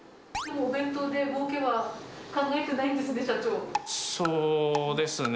お弁当でもうけは考えてないそうですね。